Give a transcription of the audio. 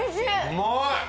うまい！